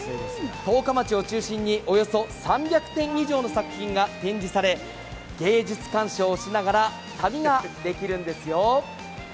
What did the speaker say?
十日町を中心におよそ３００点以上の作品が展示され芸術鑑賞をしながら旅ができるんですよ。